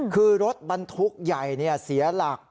คือรถบรรทุกใหญ่เสียหลัก